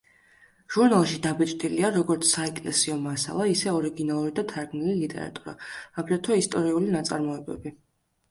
ჟურნალში დაბეჭდილია როგორც საეკლესიო მასალა, ისე ორიგინალური და თარგმნილი ლიტერატურა, აგრეთვე ისტორიული ნაწარმოებები.